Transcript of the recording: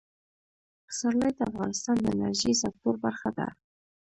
پسرلی د افغانستان د انرژۍ سکتور برخه ده.